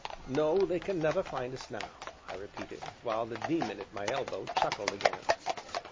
"No, they can never find us now," I repeated, while the Daemon at my elbow chuckled again.